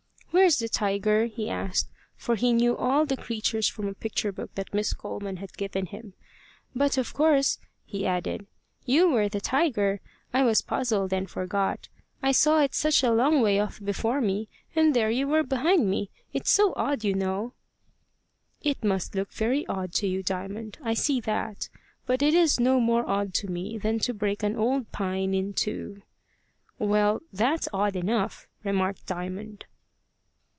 "Where's the tiger?" he asked, for he knew all the creatures from a picture book that Miss Coleman had given him. "But, of course," he added, "you were the tiger. I was puzzled and forgot. I saw it such a long way off before me, and there you were behind me. It's so odd, you know." "It must look very odd to you, Diamond: I see that. But it is no more odd to me than to break an old pine in two." "Well, that's odd enough," remarked Diamond.